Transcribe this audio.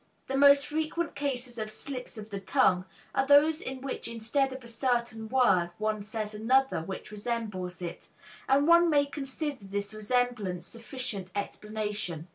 The most frequent cases of slips of the tongue are those in which instead of a certain word one says another which resembles it; and one may consider this resemblance sufficient explanation.